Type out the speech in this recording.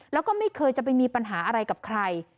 แล้วก็ไม่เคยจะไปมีปัญหาอะไรกับใคร